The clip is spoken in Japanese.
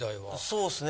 そうっすね